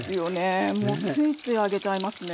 もうついつい揚げちゃいますね。